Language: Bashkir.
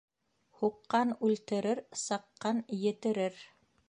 Һуҡҡан үлтерер, саҡҡан етерер.